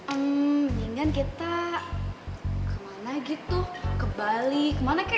ehm mingan kita kemana gitu ke bali kemana ke